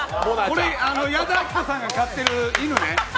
矢田亜希子さんが飼ってる犬ね。